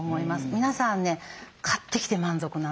皆さんね買ってきて満足なんですよ。